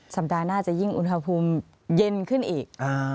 สัปดาห์หน้าจะยิ่งอุณหภูมิเย็นขึ้นอีก